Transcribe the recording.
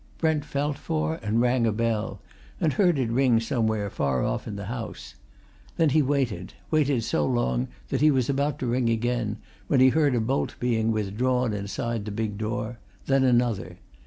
Brent felt for and rang a bell, and heard it ring somewhere far off in the house. Then he waited; waited so long that he was about to ring again, when he heard a bolt being withdrawn inside the big door; then another.